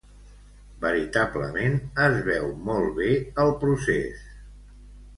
Veritablement es veu molt bé el procés.